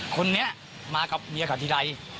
คนนี้มากับเมียกับดิไร